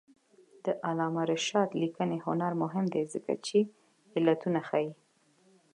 د علامه رشاد لیکنی هنر مهم دی ځکه چې علتونه ښيي.